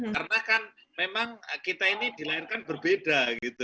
karena kan memang kita ini dilahirkan berbeda gitu